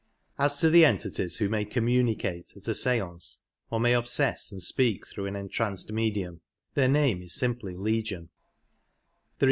As to the entities who may "communicate" at a seance^ or may obsess and speak through an entranced Communi medium, their name is simply legion ; there is EntidS.